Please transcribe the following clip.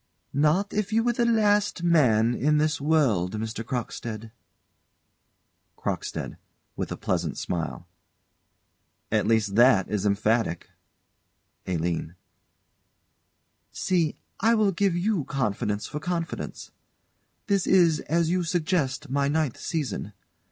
_] Not if you were the last man in this world, Mr. Crockstead. CROCKSTEAD. [With a pleasant smile.] At least that is emphatic. ALINE. See, I will give you confidence for confidence. This is, as you suggest, my ninth season.